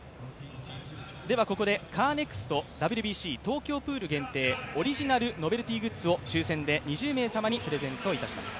ここでカーネクストＷＢＣ東京プール限定オリジナルノベルティーグッズを抽選で２０名様にプレゼントいたします。